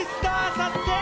ＳＡＳＵＫＥ